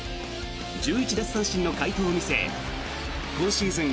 １１奪三振の快投を見せ今シーズン